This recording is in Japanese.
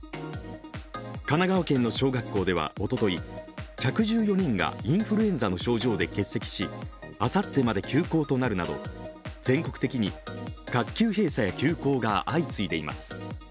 神奈川県の小学校ではおととい、１１４人がインフルエンザの症状で欠席し、あさってまで休校となるなど全国的に学級閉鎖や休校が相次いでいます。